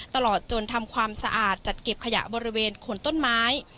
ตลอดจนทำความสะอาดจัดเก็บขยะบริเวณคนต้นไม้